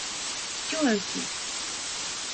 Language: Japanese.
桔梗駅